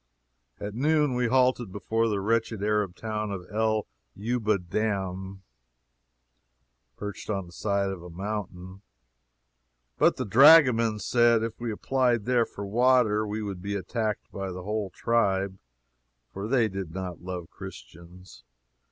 At noon we halted before the wretched Arab town of El Yuba Dam, perched on the side of a mountain, but the dragoman said if we applied there for water we would be attacked by the whole tribe, for they did not love Christians.